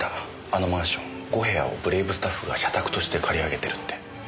あのマンション５部屋をブレイブスタッフが社宅として借り上げてるって。